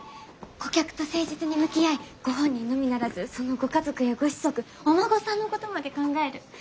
顧客と誠実に向き合いご本人のみならずそのご家族やご子息お孫さんのことまで考える。